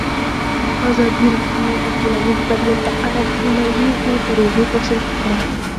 ازادي راډیو د ټولنیز بدلون په اړه سیمه ییزې پروژې تشریح کړې.